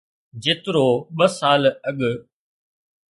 جيترو ٻه سال اڳ.